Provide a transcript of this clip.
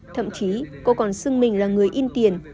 thậm chí cô còn xưng mình là người in tiền